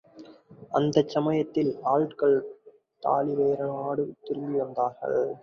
அந்தச் சமயத்தில் ஆள்கள் தாழிவயிறனோடு திரும்பி வந்தார்கள்.